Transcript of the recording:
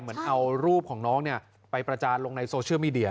เหมือนเอารูปของน้องไปประจานลงในโซเชียลมีเดีย